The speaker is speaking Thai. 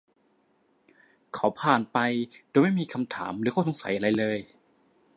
เขาผ่านไปโดยไม่มีคำถามหรืออข้อสงสัยอะไรเลย